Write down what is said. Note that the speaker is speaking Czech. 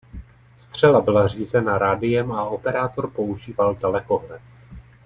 Střela byla řízena rádiem a operátor používal dalekohled.